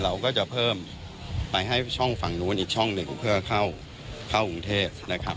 เราก็จะเพิ่มไปให้ช่องฝั่งนู้นอีกช่องหนึ่งเพื่อเข้ากรุงเทพนะครับ